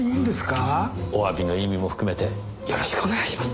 お詫びの意味も含めてよろしくお願いします。